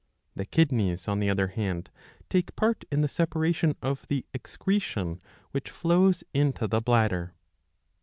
The kidneys on the other hand take part in the separation of the excretion which flows into the bladder.